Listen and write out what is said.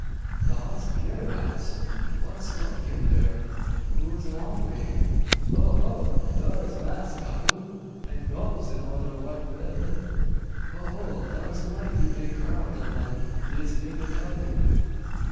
"The hoss purayras! What's tuk him thur? Who's along wi' him?" "Ho! ho! dar's Mass Cahoon, and gobs o' odder white genlum. Ho! ho! Dar's a mighty big crowd ob dem, dis nigga tell you."